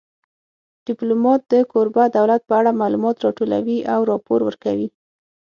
ډیپلومات د کوربه دولت په اړه معلومات راټولوي او راپور ورکوي